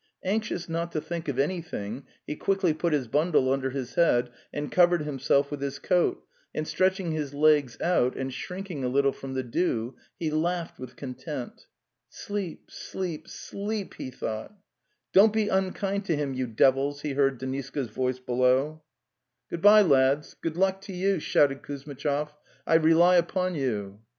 Anxious not to think of any thing, he quickly put his bundle under his head and covered himself with his coat, and stretching his legs out and shrinking a little from the dew, he laughed with content. "* Sleep, sleep, sleep, ..." he thought. Don't be unkind to him, you devils!' he heard Deniska's voice below. DA The Tales of Chekhov '' Good bye, lads; good luck to you," shouted Kuz mitchov. "I rely upon you!